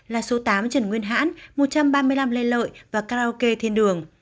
là số tám trần nguyên hãn một trăm ba mươi năm lê lợi và karaoke thiên đường